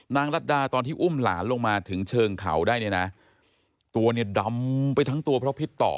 รัฐดาตอนที่อุ้มหลานลงมาถึงเชิงเขาได้เนี่ยนะตัวเนี่ยดำไปทั้งตัวเพราะพิษต่อ